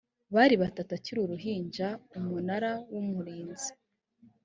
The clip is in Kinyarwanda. bari batatu akiri uruhinja umunara w’umurinzi